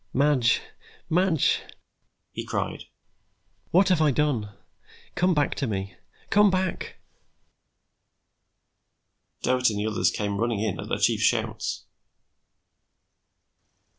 "Madge, Madge," he cried, "what have I done! Come back to me, come back!" Doherty and the others came running in at their chief's shouts.